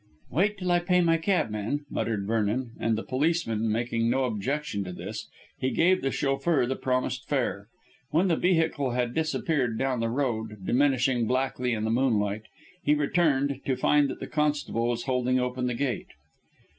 "Wait till I pay my cabman," muttered Vernon, and, the policeman making no objection to this, he gave the chauffeur the promised fare. When the vehicle had disappeared down the road, diminishing blackly in the moonlight, he returned, to find that the constable was holding open the gate.